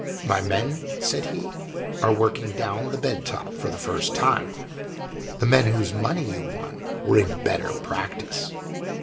"My men," said he, "are working down the bed top for the first time the men whose money you won were in better practice."